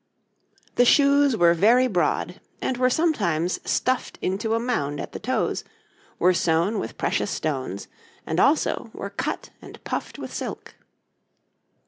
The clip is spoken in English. ] The shoes were very broad, and were sometimes stuffed into a mound at the toes, were sewn with precious stones, and, also, were cut and puffed with silk.